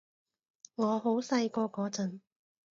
我好細個嗰陣